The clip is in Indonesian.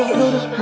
aduh aduh aduh